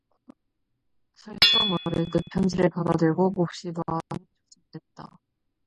설성월은 그 편지를 받아 들고 몹시 마음이 좋지 못했다.